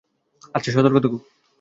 আচ্ছা, সতর্ক থেকো।